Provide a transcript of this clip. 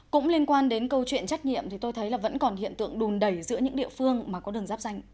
cũng liên quan đến câu chuyện trách nhiệm thì tôi thấy là vẫn còn hiện tượng đùn đẩy giữa những địa phương mà có đường giáp danh